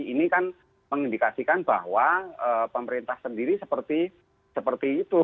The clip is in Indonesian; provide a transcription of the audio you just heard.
ini kan mengindikasikan bahwa pemerintah sendiri seperti itu